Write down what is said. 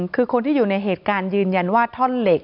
คือคนที่อยู่ในเหตุการณ์ยืนยันว่าท่อนเหล็ก